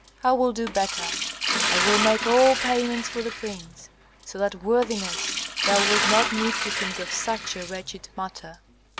I will do better: I will make all payments for the prince, so that, worthiness, thou wilt not need to think of such a wretched matter."